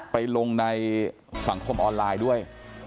ไปลงในสังคมออนไลน์ด้วย